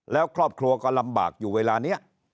แล้วครอบครัวก็ลำบากอยู่เวลานี้